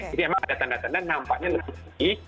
jadi memang ada tanda tanda nampaknya lebih tinggi